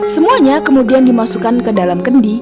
semuanya kemudian dimasukkan ke dalam kendi